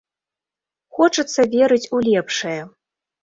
Хочацца верыць у лепшае.